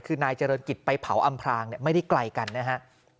คือนายเจริญกิจไปเผาอำพรางไม่ได้ไกลกันนะฮะ